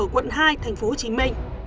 quận hai tp hcm